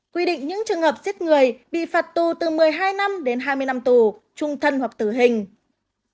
quy định những trường hợp giết người bị phạt tù từ một mươi hai năm đến hai mươi năm tù trung thân hoặc tử hình